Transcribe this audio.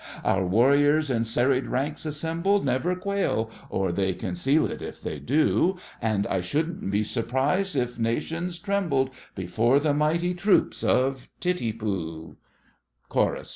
Our warriors, in serried ranks assembled, Never quail—or they conceal it if they do— And I shouldn't be surprised if nations trembled Before the mighty troops of Titipu! CHORUS.